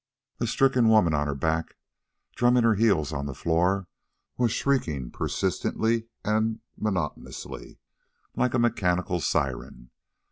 The stricken woman, on her back, drumming her heels on the floor, was shrieking persistently and monotonously, like a mechanical siren.